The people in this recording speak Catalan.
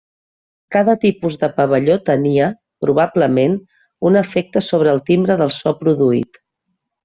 Cada tipus de pavelló tenia, probablement, un efecte sobre el timbre del so produït.